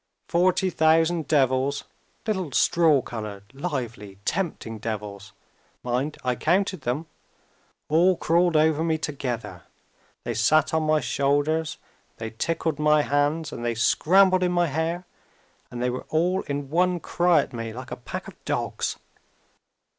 Forty thousand devils little straw colored, lively, tempting devils (mind, I counted them!) all crawled over me together. They sat on my shoulders and they tickled my hands and they scrambled in my hair and they were all in one cry at me like a pack of dogs.